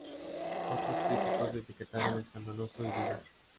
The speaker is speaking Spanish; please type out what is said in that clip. Otros críticos lo etiquetaron "escandaloso" y "vulgar".